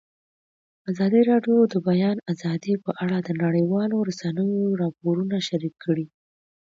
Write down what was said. ازادي راډیو د د بیان آزادي په اړه د نړیوالو رسنیو راپورونه شریک کړي.